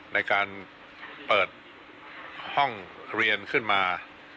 ในการเปิดห้องเรียนขึ้นมา